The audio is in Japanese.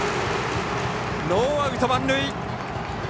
ノーアウト満塁！